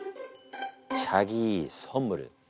チャギソンムル！